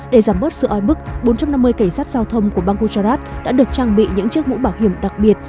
để giảm bớt sự oi bức bốn trăm năm mươi cảnh sát giao thông của bang gujarat đã được trang bị những chiếc mũ bảo hiểm đặc biệt